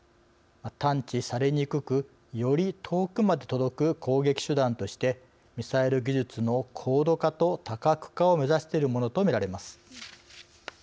探知されにくくより遠くまで届く攻撃手段としてミサイル技術の高度化と多角化を目指しているものとみられます。